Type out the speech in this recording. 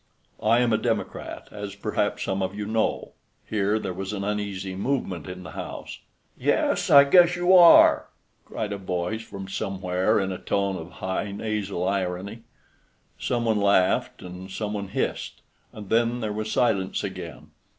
I am a Democrat, as perhaps some of you know." Here there was an uneasy movement in the house. "Yes, I guess you are!" cried a voice from somewhere, in a tone of high nasal irony. Some one laughed, and some one hissed, and then there was silence again.